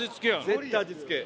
絶対味付け。